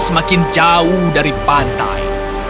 semakin jauh dari pantai